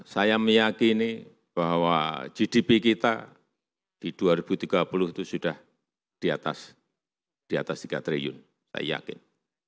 saya meyakini bahwa gdp kita di dua ribu tiga puluh itu sudah di atas tiga triliun saya yakin